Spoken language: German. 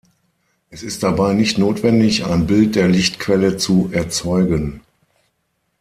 Es ist dabei nicht notwendig, ein Bild der Lichtquelle zu erzeugen.